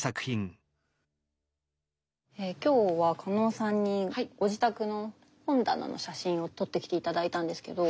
今日は加納さんにご自宅の本棚の写真を撮ってきて頂いたんですけど。